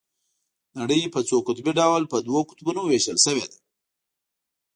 نړۍ په څو قطبي ډول په دوو قطبونو ويشل شوې ده.